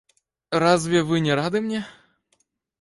Разве вы не рады мне?